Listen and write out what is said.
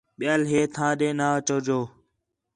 ٻِیال ہے تھاں دے نہ اَچو جو